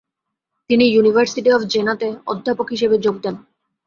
তিনি university of জেনাতে অধ্যাপক হিসেবে যোগ দেন।